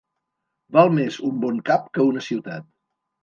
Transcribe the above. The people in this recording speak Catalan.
Val més un bon cap que una ciutat.